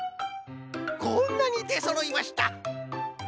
こんなにでそろいました。